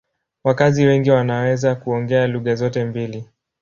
Wakazi wengi wanaweza kuongea lugha zote mbili.